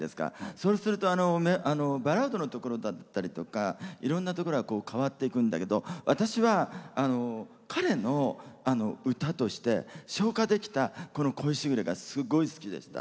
そうするとバラードのところだったりいろんなところが変わっていくんだけど私は、彼の歌として昇華できた、この「恋時雨」がすごい好きでした。